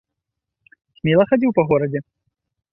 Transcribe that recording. Смела хадзіў па горадзе?